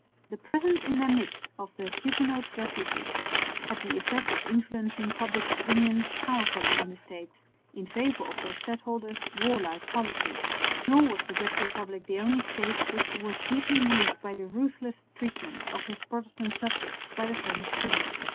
The presence in their midst of the Huguenot refugees had the effect of influencing public opinion powerfully in the States in favour of their stadholder's warlike policy. Nor was the Dutch Republic the only State which was deeply moved by the ruthless treatment of his Protestant subjects by the French king.